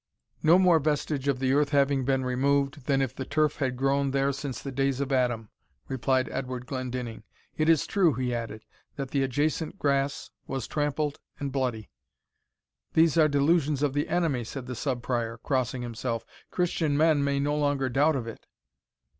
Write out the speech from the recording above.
"No more vestige of the earth having been removed than if the turf had grown there since the days of Adam," replied Edward Glendinning. "It is true," he added, "that the adjacent grass was trampled and bloody." "These are delusions of the Enemy," said the Sub Prior, crossing himself. "Christian men may no longer doubt of it."